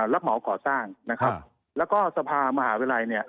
รับเหมาก่อสร้างนะครับแล้วก็สภามหาวิทยาลัยเนี่ย